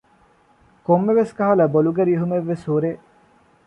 ކޮންމެވެސް ކަހަލަ ބޮލުގެ ރިހުމެއްވެސް ހުރޭ